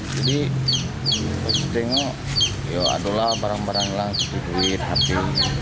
jadi kita tengok ya ada lah barang barang langsung duit hape